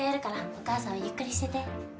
お母さんはゆっくりしてて。